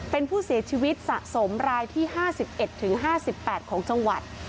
เป็นผู้เสียชีวิตสะสมรายที่๕๑๕๘ของจังหวัด